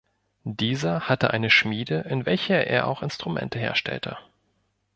Dieser hatte eine Schmiede, in welcher er auch Instrumente herstellte.